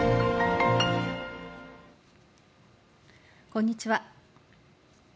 こんにちは。